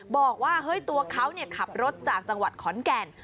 บอกว่าเฮ้ยตัวเขาขับรถจากจังหวัดขอนแก่น